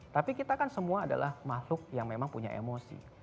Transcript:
tapi kita kan semua adalah makhluk yang memang punya emosi